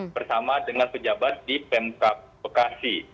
bersama dengan pejabat di pemkap bekasi